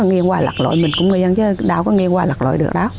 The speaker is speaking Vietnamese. nghiêng hoài lạc lội mình cũng nghiêng chứ đâu có nghiêng hoài lạc lội được đâu